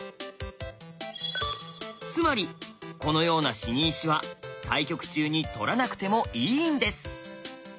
つまりこのような死に石は対局中に取らなくてもいいんです！